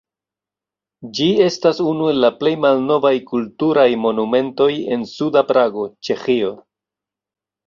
Ĝi estas unu el la plej malnovaj kulturaj monumentoj en suda Prago, Ĉeĥio.